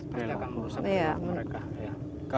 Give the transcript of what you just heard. bisa merusak kini mereka